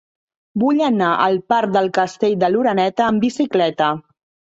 Vull anar al parc del Castell de l'Oreneta amb bicicleta.